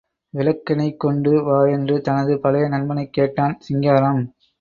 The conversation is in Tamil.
விளக்கெண்ணெய் கொண்டு வா என்று தனது பழைய நண்பனைக் கேட்டான் சிங்காரம்.